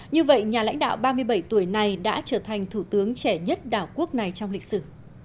như vậy nhà lãnh đạo ba mươi bảy tuổi này đã trở thành thủ tướng trẻ nhất đảo quốc này trong lịch sử